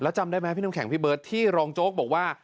จำได้ไหมพี่น้ำแข็งพี่เบิร์ตที่รองโจ๊กบอกว่า